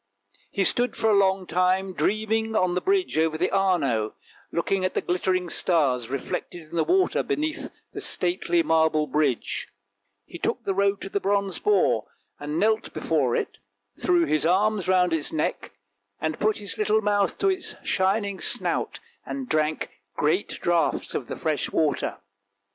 He stood for a long time dreaming on the bridge over the Arno, looking at the glittering stars 334 THE BRONZE BOAR 335 reflected in the water beneath the stately marble bridge. He took the road to the bronze boar, knelt before it, threw his arms round its neck, and put his little mouth to its shining snout and drank great draughts of the fresh water.